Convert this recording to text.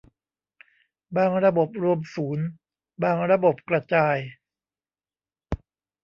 บางระบบรวมศูนย์ บางระบบกระจาย